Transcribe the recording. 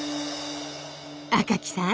赤木さん